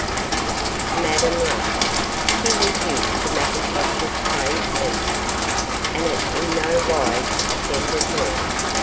Madame laughed she was used to McIntosh's plain speaking, and it in no wise offended her.